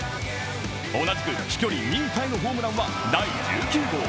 同じく飛距離２位タイのホームランは第１９号。